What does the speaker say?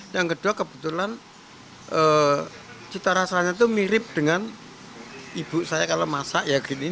yang kedua kebetulan cita rasanya itu mirip dengan ibu saya kalau masak ya gini